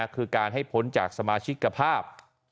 คือการให้พ้นจากสมาชิกภาพ